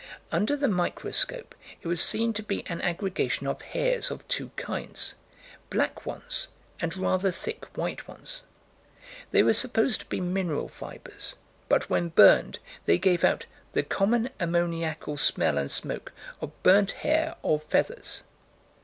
Under the microscope, it was seen to be an aggregation of hairs of two kinds, black ones and rather thick white ones. They were supposed to be mineral fibers, but, when burned, they gave out "the common ammoniacal smell and smoke of burnt hair or feathers."